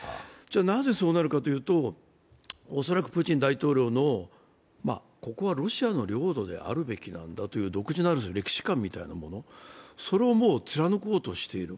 なぜそうなるかというと、恐らくプーチン大統領の、ここはロシアの領土であるべきなんだという独自のある種、歴史観というようなもの、それを貫こうとしている。